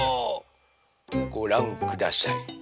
ごらんください。